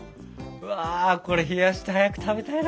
うわこれ冷やして早く食べたいな。